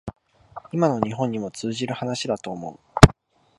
今の日本にも通じる話だと思う